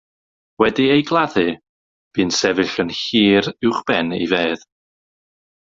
Wedi ei gladdu, bu'n sefyll yn hir uwch ben ei fedd.